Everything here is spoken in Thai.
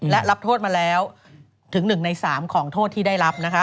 และรับโทษมาแล้วถึง๑ใน๓ของโทษที่ได้รับ